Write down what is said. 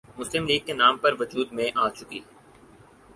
مسلم لیگ کے نام پر وجود میں آ چکی